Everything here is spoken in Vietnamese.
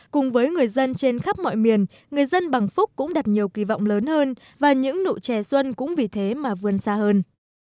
cùng với người dân trên khắp mọi miền người dân bằng phúc cũng đặt nhiều kỳ vọng lớn hơn và những nụ trẻ xuân cũng vì thế mà vươn xa hơn